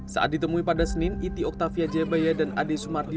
saat ditemui pada senin iti oktavia jayabaya dan ade sumardi